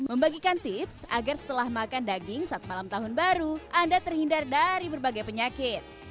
membagikan tips agar setelah makan daging saat malam tahun baru anda terhindar dari berbagai penyakit